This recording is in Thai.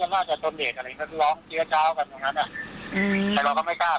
เหมือนก็คิดถึงอกเขาอกเราอะนะ